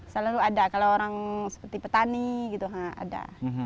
selalu ada kalau orang seperti petani gitu ada